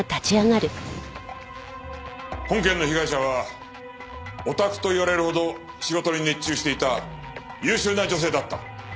本件の被害者はオタクと言われるほど仕事に熱中していた優秀な女性だった。